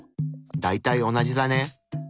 大体同じだね。